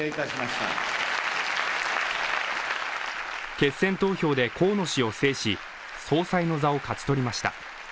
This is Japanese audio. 決選投票で河野氏を制し、総裁の座を勝ち取りました。